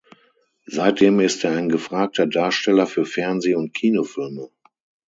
Seitdem ist er ein gefragter Darsteller für Fernseh- und Kinofilme.